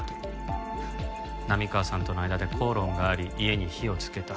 波川さんとの間で口論があり家に火をつけた。